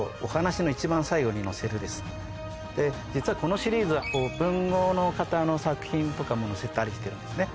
実はこのシリーズは文豪の方の作品とかも載せたりしてるんですね。